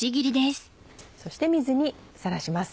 そして水にさらします。